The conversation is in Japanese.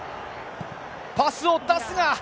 パスを出すが。